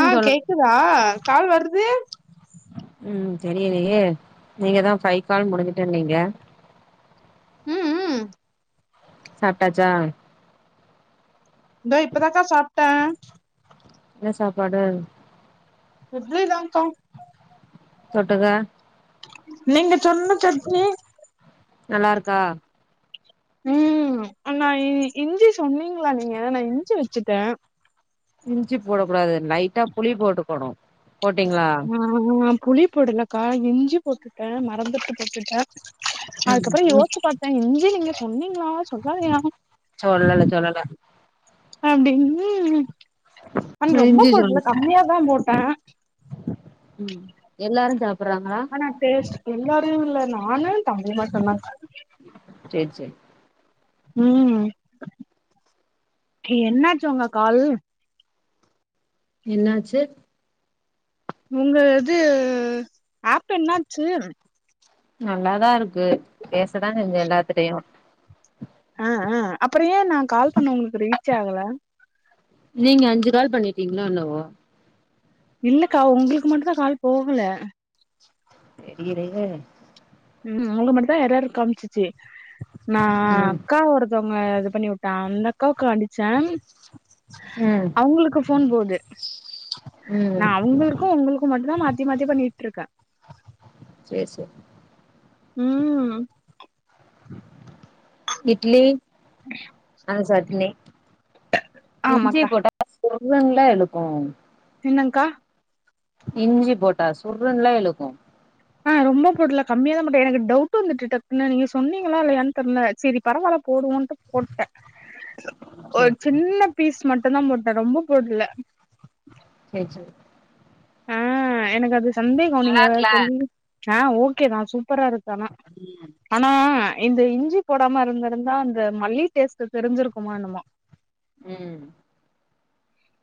ஆ சொல்லுங் கேக்குதா கால் வருது ம் தெரியலயே நீங்க தா பைவ் கால் முடுஞ்சிட்டுண்னீங்க ம் ம் சாப்ட்டாச்சா இந்தா இப்ப தாக்கா சாப்ட்ட என்ன சாப்பாடு இட்லி தாக்கா தொட்டுக நீங்க சொன்ன சட்னி நல்லா இருக்கா ம் ஆனா இஞ்சி சொன்னீங்ளா நீங்க நா இஞ்சி வச்சிட்ட இஞ்சி போட கூடாது லைட்டா புளி போட்டுக்கோணு போட்டீங்களா ஆ புளி போடலக்கா இஞ்சி போட்டுட்ட மறந்துட்டு போட்டுட்ட ம் அதுக்கப்புறோ இஞ்சி யோச்சு பாத்த இஞ்சி நீங்க சொன்னீங்களா சொல்லலையா சொல்லல சொல்லல அப்டின்னு ஆன் ரொம்ப இஞ்சி சொல்லு போட்ல கம்மியாதா போட்ட ம் எல்லாரு சாப்புடுறாங்களா ஆ டேஸ்ட் எல்லாரு இல்ல நானு தம்பி மட்டு தாக்கா சேரி சேரி ம் என்னாச்சி உங்க கால் என்னாச்சி உங்க இது அப் என்னாச்சு நல்லாதா இருக்கு பேசதா செஞ்சே எல்லாத்திட்டயு அ அ அப்றோ ஏ நா கால் பண்ண உங்களுக்கு ரீச் ஆகல நீங்க அஞ்சு கால் பண்ணிட்டீங்களோ எண்ணவோ இல்லக்கா உங்களுக்கு மட்டு தா கால் போகல தெரிலையே ம் அவுங்க மட்டு தா எர்ரர் காமிச்சுச்சி நா ம் அக்கா ஒரு ஒருத்தவுங்க இது பண்ணி விட்டா அந்த அக்காவுக்கு அடிச்ச ம் அவங்களுக்கு ஃபோன் போது நா ம் அவங்களுக்கு உங்களுக்கு மட்டு தா மாத்தி மாத்தி பண்ணிட்ருக்க சேரி சேரி ம் இட்லி அந்த சட்னி இஞ்சி ஆமாக்கா போட்டா பொதுங்கள எழுப்பனு [unintelligible] என்னங்கா இஞ்சி போட்டா சுர்ருன்ல இழுக்கும் [inaudible] கம்மியா தா போட்டேன் எனக்கு டவுட் வந்துட்டு டக்குனு நீங்க சொன்னீங்களா இல்லையா ன்னு தெரியல சரி பரவால்ல போடுவோம் டு போட்டேன் [inaudible] ஒரு சின்ன பீஸ் மட்டும் தா போட்டேன் ரொம்ப போடல சேரி சேரி ஆ எனக்கு அது சந்தேகம் நீங்க நல்லா சொல்லி ஆ ஓகே தா சூப்பர் சூப்பரா இருக்கு அனா இருக்குல ஆனா இந்த இஞ்சி போடாம இருந்திருந்தா அந்த மல்லி டேஸ்ட் தெரிஞ்சிருக்குமா என்னமோ ம்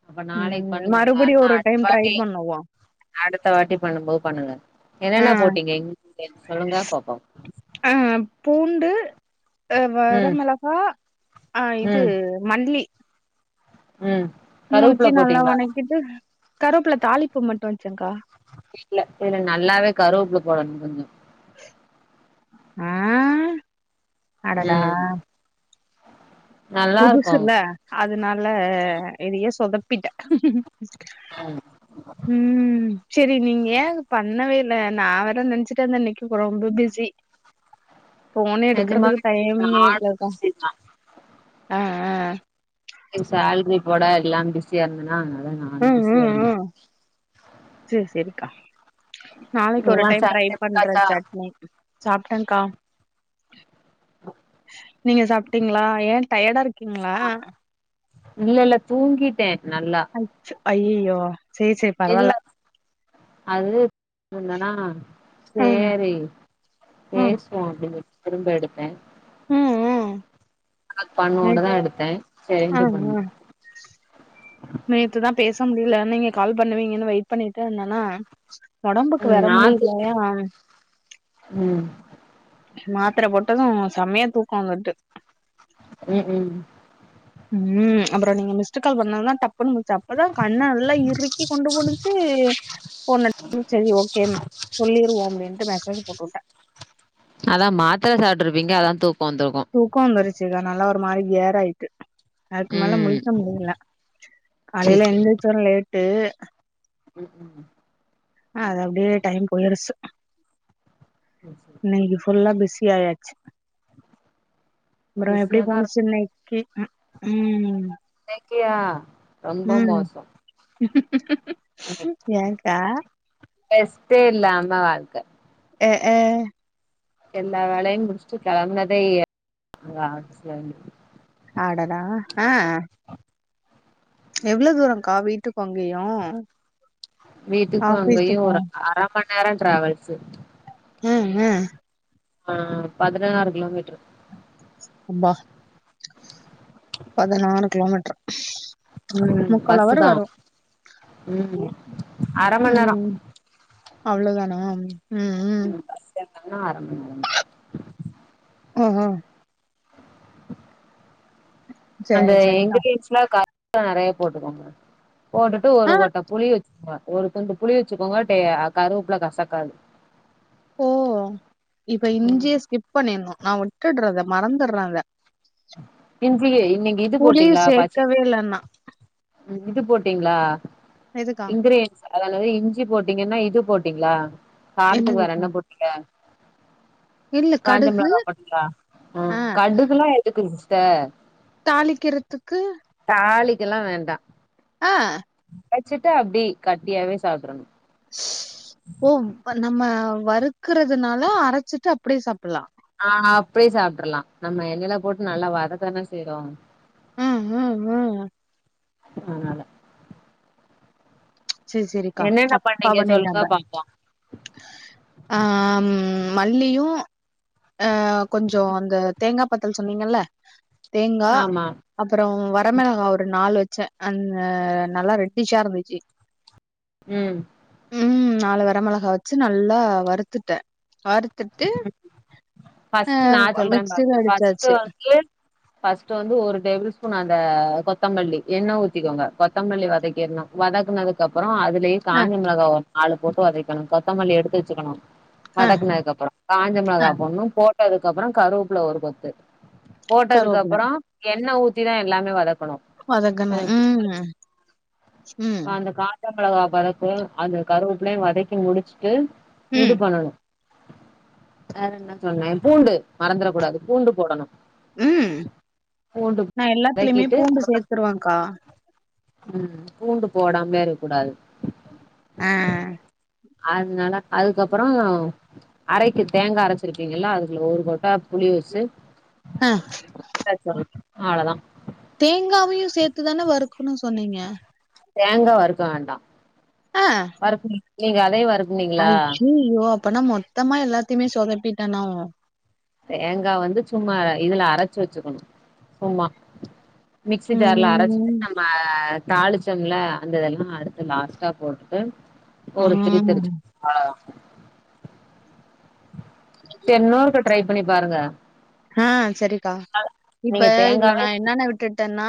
அப்ப நாளைக்கு ம் பண்ணுங்க மறுபடியும் ஆனா ஒரு டைம் ட்ரை அட்வான்டேஜ் பண்ணுவோம் அடுத்த வாட்டி பண்ணும்போது பண்ணுங்க ஆ என்னன்ன போட்டீங்க எங்க சொல்லுங்க பாப்போம் ஆ பூண்டு அ ம் வரமிளகா இது ம் மல்லி ம் கருவேப்பில போட்டீங்களா இப்ப கருவேப்பில தாளிப்பு மட்டும் வச்சேங்க்கா இல்ல இதுல நல்லாவே கருவேப்பில போடணும் கொஞ்சோ அ ‌ அடடா ம் நல்லா இருக்கு புதுசுல அதனால இதயே சொதப்பிட்டேன் உம் ம் உம் சேரி நீங்க ஏன் பண்ணவே இல்ல நா வேற நினைச்சுட்டே இருந்த இன்னைக்கி ரொம்ப பிஸி ஃபோனே எடுக்கறதுக்கு நிஜமாவே டைமே இல்லக்கா. பிஸிதா [unintelligible] ஆ ஆ ஆ சேல்ரி போட எல்லா பிஸியா இருந்தேனா அதா நானும் பிஸியா இருந்தேன் சேரி சேரிக்கா நாளைக்கு ஒரு உங்களுக்குலா டைம் ட்ரை சேல்ரி பண்றேன் போட்டாச்சா சட்னி சாப்ட்டேன்க்கா நீங்க சாப்ட்டீங்களா ஏன் டயடா இருக்கீங்களா இல்ல இல்ல தூங்கிட்டேன் நல்லா அச் அய்யயோ சேரி சேரி இல்ல அது என்னனா ம், சேரி ம், பேசுவோம் அப்டின்னு சொலாலிட்டு திரும்ப எடுத்தேன் ம், ம். பண்ணோட நேத் தா எடுத்தே ஆ, சரின்ட்டு பண்ண ஆ. நேத்து தா பேச முடியல நீங்க கால் பண்ணுவீங்கனு வெயிட் பண்ணிட்டே இருந்தனா உடம்புக்கு ம் வேற மாத்திட்டே முடியல ம் மாத்தர போட்டதும் செமையா தூக்கம் வருது உம் உம் உம் அப்றோ நீங்க மிஸ்டு கால் பண்ணது தா டப்புன்னு முழிச்ச அப்பதா கண்ண நல்லா இறுக்கி கொண்டு போனுச்சி ஃபோன் எடுத்து சரி ஓகே சொல்லிருவோம் அப்டின்ட்டு மெசேஜ் போட்டு விட்ட அதா மாத்தர சாப்ட்டுருப்பீங்க அதான் தூக்கம் வந்துருக்கும் தூக்கோ வந்துருச்சிக்கா நல்லா ஒரு மாரி கேர் ஆயிட்டு அதுக்கு மேல ம் முழிக்க முடியல சேரி காலையில எந்திரிச்சது லேட்டு உம் உம் அது அப்டியே டைம் போயிருச்சு ம் ம் இன்னிக்கி ஃபுல்லா பிசி ஆயாச்சு அப்றோ எப்டி பிஸியாதா போணுச்சு இருக்கு இன்னக்கி ம் ம் இன்னக்கியா ம் ஏக்கா ரெஸ்ட்டே இல்லாம வாழ்க்க ஆ ஆ எல்லா வேலயு முடிச்சுட்டு கெளம்புனதே [inaudible] ஆபிஸ்ல இருந்து அடடா ஆ எவ்ளோ தூரோக்கா வீட்டுக்கு அங்கயு வீட்டுக்கு அங்கயு ஒரு அர மணி நேரோ டிராவல்ஸ் ம் ம் ஆ பதினாறு கிலோமீட்ரு அப்பா பதினாறு கிலோமீட்ரு ம் பஸ் தா ம் அரமண் நேரோ அவ்ளோ தானா ம் ம் பஸ் ஏறுனன்னா ‌அரமண் நேரந்தா ம் ம் அந்த சரி சரிக்கா இங்கிரடியன்ஸ்ல கருவேப்பில நெறைய போட்டுக்கோங்க போட்டுட்டு ஒரு ஆ கொட்ட புளி வச் ஆமா ஒரு துண்டு புளி வச்சுக்கோங்க டே கருவாப்புல கசக்காது ஓ இப்ப இஞ்சிய ஸ்கிப் பண்ணிரணு நா விட்டுடுறது மறந்துர்றே அத இஞ்சி இன்னைக்கு இது புளியு சேக்கவே இல்ல நா ம் இது போட்டீங்களா எதுக்கா இங்கரேன்ஸ் அது என்னது இஞ்சி போட்டீங்கன்னா இது போட்டீங்களா காரத்துக்கு வேற என்னதுக்கா என்ன போட் டீங்க இல்ல காஞ்ச கடுகு மெளகா போட்டிங்களா ம் ஆ கடுகுலா எதுக்குங்க சிஸ்டர் தாளிக்கிறதுக்கு தாளிக்கல்லா வேண்டா ஆ வச்சிட்டு அப்டி கட்டியாவே சாப்ட்றணு ஓ நம்ம வறுக்குறதுனால அரச்சிட்டு அப்டியே சாப்லா ஆ அப்டியே சாப்ட்றலா நம்ம எண்ணெல போட்டு நல்லா வதக்க தான செய்றோ ம் ம் ம் அதனால சேரி சேரிக்கா என்னென்ன தப்பா பண்ணீங்க பண்ணிட்டே சொல்லுங்க அத பாப்போ ஆ மல்லியு அ கொஞ்சோ அந்த தேங்கா பத்தல் சொன்னீங்கல்ல தேங்கா ஆமா அப்பறோ வரமெளகா ஒரு நாலு வச்சே அந்த நல்லா ரெட்டிஸா இருந்துச்சி ம் ம் நாலு வரமெளகா வச்சு நல்லா வறுத்துட்டே வறுத்துட்டு அ ஃபர்ஸ்ட் நா சொல்றே மிக்சில பாருங்க ஃபர்ஸ்டு அடிச்சாச்சு வந்து ஃபர்ஸ்டு வந்து ஒரு டேபிள் ஸ்பூன் அந்த கொத்தமல்லி எண்ணெ ஊத்திக்கோங்க கொத்தமல்லி வதக்கீர்னு வதக்குனதுக்கு அப்பறோ அது லயே அ காஞ்ச மெளகா ஒரு நாலு போட்டு வதக்கணு கொத்தமல்லி எடுத்து வச்சுக்கணு அ வதக்குனதுக்கு அப்பறோ காஞ்ச அ மெளகா போண்ணு போட்டதுக்கு அப்புறோ கருவப்புல ஒரு கொத்து போட்டதுக்கு கருவேப்பில அப்புறோ எண்ண ஊத்திதா எல்லாமே வதக்கணு. வதக்கணு ம். ம் வ அந்த காஞ்ச மெளகா வதக்கு அந்த கருவப்லையு வதக்கி முடிச்ட்டு இது ம் பண்ணனு வேற என்ன சொன்னே பூண்டு மறந்துட கூடாது பூண்டு போடணு. ம் பூண்டு நா எல்லாத்துலிமே வதக்கிட்டு பூண்டு சேத்துருவங்க்கா. ம் பூண்டு போடாம்லே இருக்கூடாது. அ அதுனால அதுக்கப்புறோ அரைக்கு தேங்கா அரைச்சிருப்பீங்கள்ல அதுக்குல ஒரு கொட்டா புளி வெச்சு அ [unintelligible] அவ்ளதா. தேங்காவயு சேத்துதான வறுக்குணு சொன்னீங்க. தேங்கா வறுக்க வேண்டா. அ. அரச்சி நீங்க அதே வறுக் அய்யய்யோ அப்பனா மொத்தமா எல்லாத்தைமே சொதப்பிட்டனோ? தேங்கா வந்து சும்மா ர இதுல அரச்சு வெச்சுக்குணு சும்மா. மிக்ஸி ஜார்ல அரைச்சுட்டு ம் நம்ம தாளிச்சம்ல அந்த இதெல்லா அடுத்து லாஸ்ட்டா போட்டுட்டு ஒரு திரி ம் தெருத் அ இன்னோருக்க ட்ரை பண்ணி பாருங்க. அ செரிக்கா இப்ப நீங்க இதுல தேங்காவே நா என்னென்ன விட்டுட்டன்னா?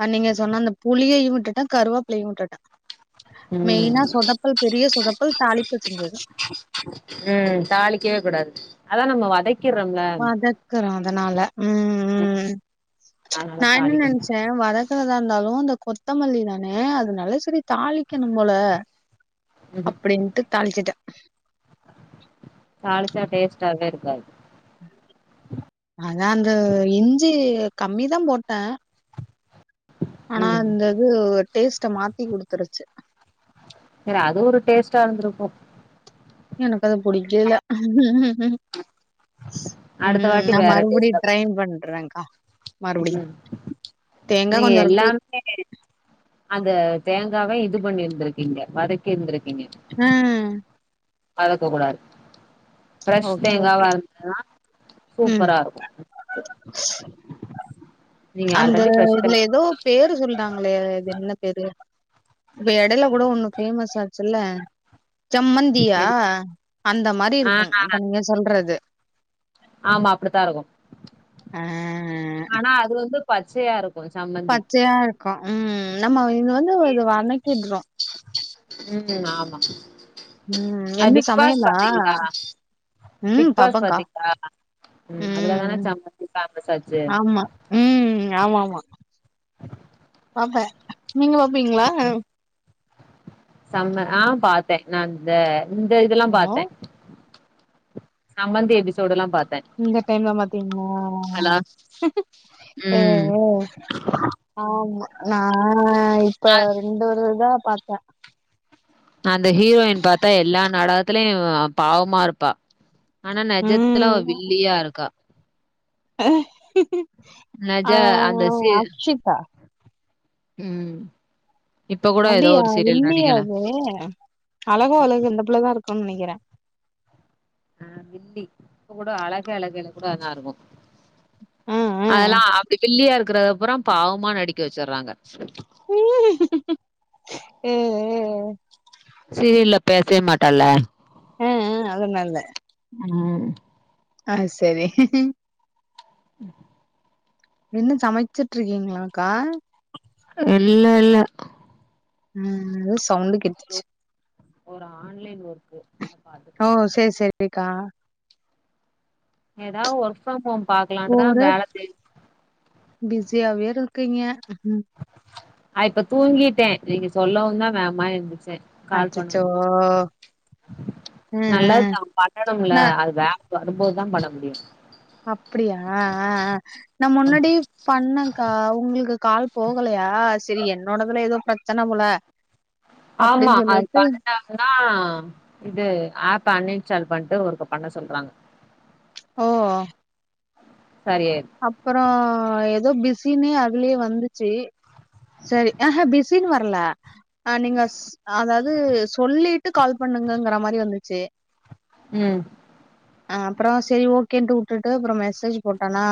அ நீங்க சொன்ன அந்த புளியையு விட்டுட்டே கருவேப்லையு விட்டுட்டே. ம் மெயினா சொதப்பல் பெரிய சொதப்பல் தாளிப்பு செஞ்சது. ம் தாளிக்கவே கூடாது அதா நம்ம வத வதக்குறோ அதனால ம் ம் அதனால நா என்ன தாளிக்கணு நென்ச்சே வத க்கதாந்தாலு அந்த கொத்தமல்லி தானே அதுனால செரி தாளிக்கணும் போல ம்ஹும் அப்டின்ட்டு தாள்ச்சிட்டே. தாளிச்சா டேஸ்ட்டாவே இருக்காது. அது அந்த இஞ்சி கம்மிதா போட்டே. ஆனா ம் இந்த இது ஒ டேஸ்ட்ட மாத்தி குடுத்துருச்சு. செரி அது ஒரு டேஸ்ட்டா இருந்திருக்கு. எனக்கு அது புடிக்கல அடுத்த ம் வாட்டி நா மறுபுடியு ட்ரைன் பண்றங்க்கா. ம்ஹு தேங்கா நீங்க கொஞ்சம் இருக்கு. எல்லாமே அந்த தேங்காவ இது பண்ணிர்ந்துருக்கீங்க வதக்கிர்ந்திருக்கீங்க. அ வதக்க கூடாது. ஃப்ரெஷ் ஓகே தேங்காவா ஓகே. இருந்துதுனா ம். சூப்பராருக்கு. அந்த ஃப்ரெஷ் இதுல எதோ பேரு சொல்ட்டாங்களே அதென்ன பேரு இப்ப எடைல கூட ஒன்னு ஃபேமஸ் ஆச்சுல்ல சம்மந்தியா அந்த மாரி தா இருக்கு ஆ அப்ப நீங்கஸ் சொல்றது ஆமா அப்டித்தா இருக்கு ஆ ஆனா அது வந்து பச்சையா இருக் பச்சையா இருக்கு ம் நம்ம இது வந்து இது வணக்கிட்றோ ம் ஆமா ம் அ என்ன பிக்பாஸ் சமையலா? பாத்தீங்ளா ம் பிக்பாஸ் பாப்பேன்க்கா. பாத்தீங்ளா ம் அதுலதானே சம்மந்தி ஃபேமஸ் ஆச்சு ஆமா. ம் ஆமாம்மா பாப்பே நீங்க பாப்பீங்ளா செம்ம ஆ பாத்தே நா இந்த இந்த இதெல்லா ஹலோ! பாத்தே சம்மந்தி எபிசோடுலா பாத்தே இந்த டைம்ல பாத்தீங்ளா ஹலோ ஏ ம் ஆமா நா இப்ப அ ரெண்டு இதுதா பாத்தே அந்த ஹீரோயின் பாத்தா எல்லா நாடகத்திலையு பாவமா இருப்பா ஆனா நெஜத் துல அவ ம். வில்லியா இருக்கா நெஜ ஆ அந்த சி அக்ஷிதா ம் இப்ப கூட ஏதோ அப்டியா ஒரு சீரியல் வில்லியா நடிக்கல அது அழகோ அழகு அந்த புள்ளதா இருக்குன் நெனைக்கிறே ஆ வில்லி இப்பக்கூட அழகு அழகுல கூட அதா இருக்கு அ, அ. அதெல்லா அப்டி வில்லியா இருக்கறத பூறா பாவமா நடிக்க வெச்சிட்றாங்க ம் சீரியல்ல பேசவே மாட்டல்ல ம் ம் அதனால ம் ஆ சேரி ம் இன்னு சமைச்சிட்ருக்கீங்ளாக்கா இல்ல இல்ல ம் எதோ சவுண்டு கேட்டுச்சு ஒரு ஆன்லைன் ஒர்க் ஓ சேரி சேரிக்கா எதாவ் ஒர்க் ஃப்ரம் ஹோம் பாக்கலான்ட்டுதா ஒரே வேல தேடி பிஸியாவே இருக்கீங்க நா இப்ப தூங்கிட்டே நீங்க சொல்லவுந்தா வேமா எந்திரிச்சே கால் அச்சச்சோ! பண்ணனுந்தா அ, நல்லது அ. தா பண்ணணும்ல நா அது வே வரும்போது தா பண்ண முடியு அப்டியா ஆ ஆ நா முன்னாடி பண்ணங்க்கா உங்களுக்கு கால் போகலையா செரி என்னோடதுல எதோ பிரச்சன போல ஆமா அப்டின்னு அது சொல்லிட்டு பண்ணுனா எதுனா இது ஆப் அன் இன்ஸ்டால் பண்ணிட்டு ஒருக்கா பண்ண சொல்றாங்க ஓ ஓ சரியாயிரு அப்பறோ எதோ பிஸினே அதுலே வந்துச்சு செரி ஆ ஹா பிஸின்னு வர்ல ஆ நீங்கஸ் அதாவது சொல்லிட்டு கால் பண்ணுங்கங்கிற மாரி வந்துச்சு ம் ஆ அப்றோ சேரி ஓகேன்ட்டு விட்டுட்டு அப்ற மெசேஜ் போட்டனா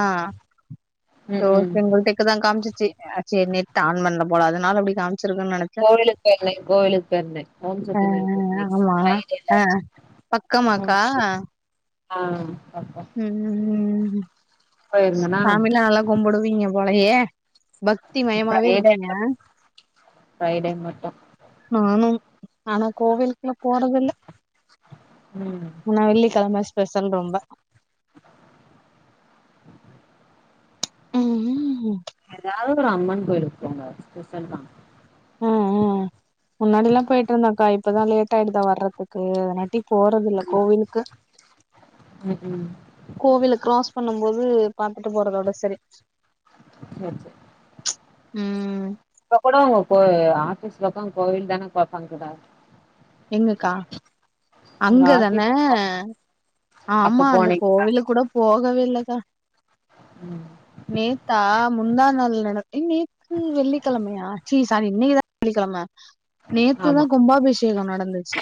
ம் சோ ம் சிங்கிள் டிக்குதா காம்ச்சிச்சு ஆ சேரி நெட் ஆன் பண்ல போல அதனால அப்டி காமிச்சிருக்குன் நெனச் கோவிலுக்கு போயிருந்தே கோவிலுக்கு போயிருந்தே ஓம் ஆ சத்தி கோயிலுக்கு போயிருந்தே ஆமா ஃப்ரைடேல ஆ ஓம் பக்கமாக்கா சக்தி ஆ அப்போ ம் ம் போயிருந்தனா சாமிலா நல்லா கும்புடுவீங்க போலயே பக்தி மயமாவே ஃப்ரைடே இருப்பீங்க மட் ஃப்ரைடே மட்டும் நானும் இப் ஆனா கோவில் இல்ல போறதுல்ல ம் நா வெள்ளிக்கெழமை ஸ்பெஷல் ரொம்ப ம் ஏதாவது ஒரு அம்மன் கோயிலுக்கு போங்க ஸ்பெஷல் தா ம் ம் முன்னாடி எல்லா போய்ட்டு இருந்தேக்கா இப்பதா லேட் ஆயிடுதா வர்ரதுக்கு அதனாட்டி போறது இல்ல கோவிலுக்கு ம் ம் கோவில கிராஸ் பண்ணும் போது பாத்துட்டு போறதோட சரி செரி செரி உம் இப்ப கூட உங்கோ ஆபீஸ் பக்கோ கோவில் தான ஒக்காந்து இருக்கே இன்னைக்கா உங்க அங்க தான ஆபீஸ் அப்ப ஆமா அந்த போனீங்களா கோவில கூட போகவே இல்லக்கா உம் நேத்தா முந்தா நாள் நடந்து நேத்து வெள்ளிக்கெழமயா சீ சாரி இன்னைக்கு தா வெள்ளிக்கெழம ஆமா நேத்துதா கும்பாபிஷேகோ நடந்துச்சு